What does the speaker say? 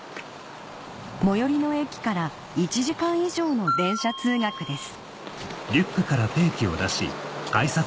最寄りの駅から１時間以上の電車通学です